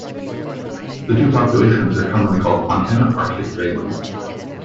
The two populations are commonly called Montana Arctic grayling.